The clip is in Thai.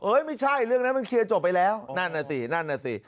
ไม่ใช่เรื่องนั้นมันเคลียร์จบไปแล้วนั่นน่ะสินั่นน่ะสิ